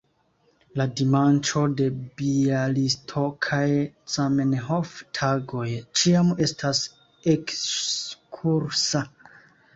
La dimanĉo de Bjalistokaj Zamenhof-Tagoj ĉiam estas ekskursa.